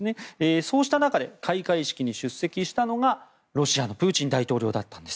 そんな中で開会式に出席したのがロシアのプーチン大統領だったんです。